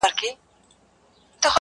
دا چي سپی دومره هوښیار دی او پوهېږي,